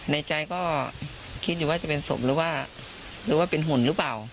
ในใจก็คิดอยู่ว่าจะเป็นศพหรือว่าหรือว่าเป็นหุ่นหรือเปล่า